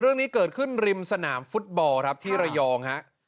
เรื่องนี้เกิดขึ้นริมสนามฟุตบอลครับที่ระยองฮะ